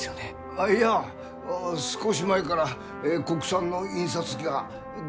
あっいや少し前から国産の印刷機が出てきたよ。